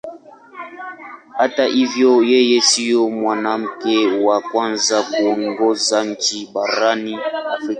Hata hivyo yeye sio mwanamke wa kwanza kuongoza nchi barani Afrika.